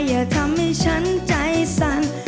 อย่าทำให้ฉันใจสั่น